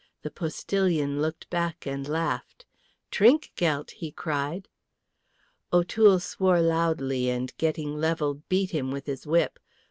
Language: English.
The postillion looked back and laughed. "Trinkgeldt!" he cried. O'Toole swore loudly, and getting level beat him with his whip.